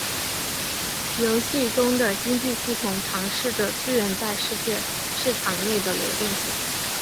游戏中的经济系统尝试着资源在世界市场内的流动性。